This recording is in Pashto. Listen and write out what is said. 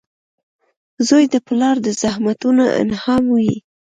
• زوی د پلار د زحمتونو انعام وي.